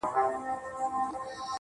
دا چي له کتاب سره ياري کوي.